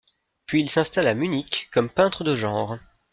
Puis il s'installe à Munich comme peintre de genre.